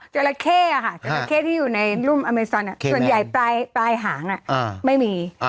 เจ้าระแค่ที่อยู่ในรุ่่มอเมซอนส่วนใหญ่ปลายหางไม่มี